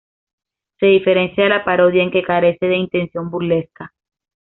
Se diferencia de la parodia en que carece de intención burlesca.